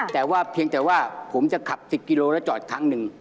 แต่ว่าเพียงแต่ว่าผมจะขับ๑๐กิโลแล้วจอดครั้งหนึ่ง